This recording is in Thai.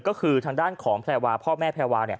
ก็คือทางด้านของแพรวาพ่อแม่แพรวา